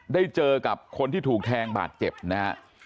ได้เจอกับคนที่ถูกแทงบาดเจ็บนะฮะ